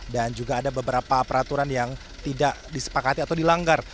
dan juga ada beberapa peraturan yang tidak disepakati atau dilanggar